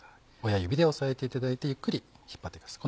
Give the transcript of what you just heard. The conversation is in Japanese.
親指で押さえていただいてゆっくり引っ張って行きます。